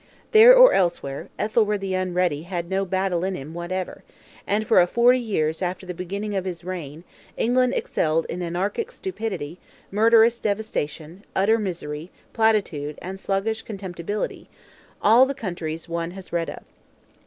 There or elsewhere, Ethelred the Unready had no battle in him whatever; and, for a forty years after the beginning of his reign, England excelled in anarchic stupidity, murderous devastation, utter misery, platitude, and sluggish contemptibility, all the countries one has read of.